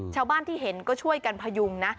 ชาวบ้านที่เห็นก็ช่วยกันพยุงนะ